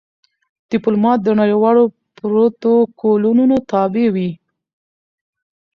ډيپلومات د نړېوالو پروتوکولونو تابع وي.